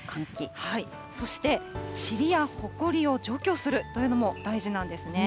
そして、ちりやほこりを除去するというのも大事なんですね。